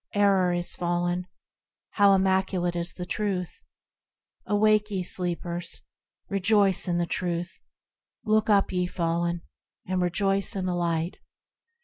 Error is fallen, How immaculate is the Truth ! Awake ! ye sleepers, Rejoice in the Truth ! Look up I ye fallen, And rejoice in the Light